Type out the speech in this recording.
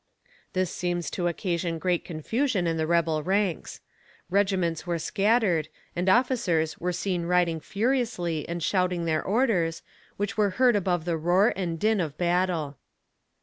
This seems to occasion great confusion in the rebel ranks. Regiments were scattered, and officers were seen riding furiously and shouting their orders, which were heard above the roar and din of battle.